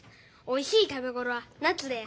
おいしい食べごろは夏で。